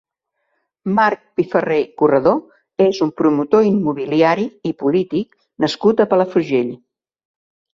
Marc Piferrer Corredor és un promotor immobiliari i polític nascut a Palafrugell.